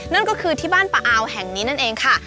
นั่นก็คือที่บ้านปะอาวแห่งนี้นั่นเองค่ะ